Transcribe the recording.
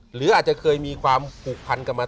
หรืออาจจะเคยมีความผูกพันกันมา